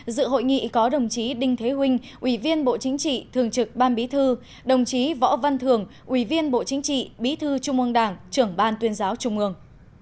dự hội nghị có đồng chí đinh thế vinh ủy viên bộ chính trị thường trực ban bí thư đồng chí võ văn thường ủy viên bộ chính trị bí thư trung ương đảng trưởng ban tuyên giáo trung ương